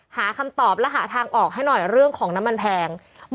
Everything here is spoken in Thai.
หาคำตอบและหาทางออกให้หน่อยเรื่องของน้ำมันแพง